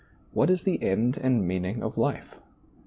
What is the end and meaning of life